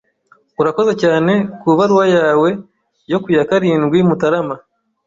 Urakoze cyane kubaruwa yawe yo ku ya karindwi Mutarama.